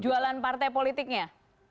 jualan partai politiknya